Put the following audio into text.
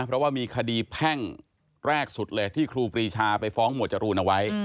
เพราะว่ามีคดีแพ่งแรกสุดเลยที่ครูปรีชาไปฟ้องหมวดจรูนเอาไว้